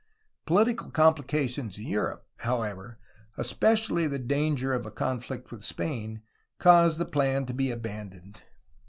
Political com plications in Europe, however, especially the danger of a conflict with Spain, caused the plan to be abandoned.